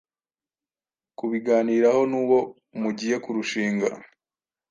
Kubiganiraho n’uwo mugiye kurushinga